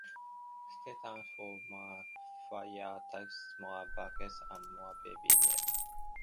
Stay tuned for more fire tracks, more bangers, and more Baby Melo!